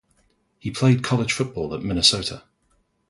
He played college football at Minnesota.